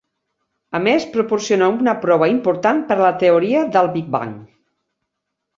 A més, proporciona una prova important per a la teoria del big bang.